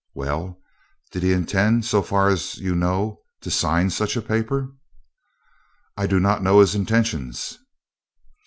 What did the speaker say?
"Well, did he intend so far as you know to sign such a paper?" "I do not know his intentions."